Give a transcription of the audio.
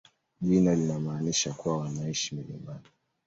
Jina linamaanisha kuwa wanaishi milimani.